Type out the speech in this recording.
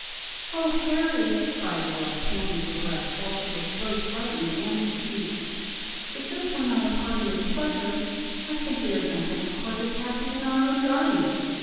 "Oh, Harry!" cried Laura, panting for breath, while she looked both frightened and fatigued, "If this were not a party of pleasure, I think we are sometimes quite as happy in our own gardens!